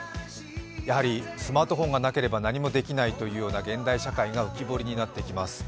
やはりスマートフォンがなければ何もできないというような現代社会が浮き彫りになってきます。